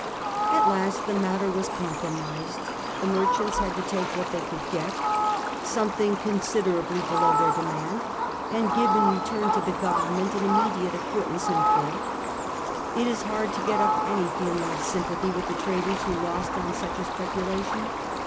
At last, the matter was compromised ; the merchants had to take what they could get, some thing considerably below their demand, and give in return to the Government an immediate acquittance in full. It is hard to get up any feeling of sympathy with the traders who lost on such a speculation.